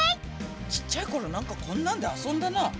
ちっちゃいころなんかこんなんで遊んだな。